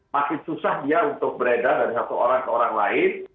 makin susah dia untuk beredar dari satu orang ke orang lain